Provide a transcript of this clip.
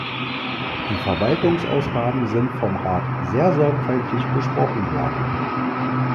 Die Verwaltungsausgaben sind vom Rat sehr sorgfältig besprochen worden.